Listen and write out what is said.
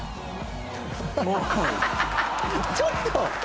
ちょっと。